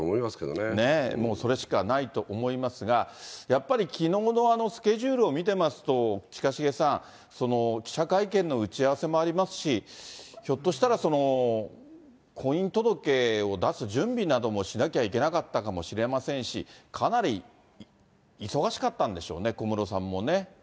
ねえ、もうそれしかないと思いますが、やっぱり、きのうのスケジュールを見てますと、近重さん、記者会見の打ち合わせもありますし、ひょっとしたらその婚姻届を出す準備などもしなきゃいけなかったかもしれませんし、かなり忙しかったんでしょうね、小室さんもね。